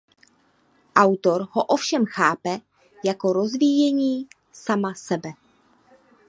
Autor ho ovšem chápe jako rozvíjení sama sebe.